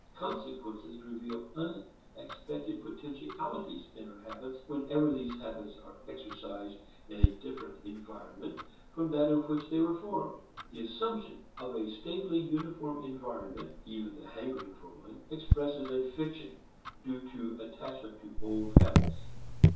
Consequences reveal unexpected potentialities in our habits whenever these habits are exercised in a different environment from that in which they were formed. The assumption of a stably uniform environment (even the hankering for one) expresses a fiction due to attachment to old habits.